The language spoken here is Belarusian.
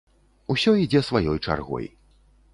Усё ідзе сваёй чаргой.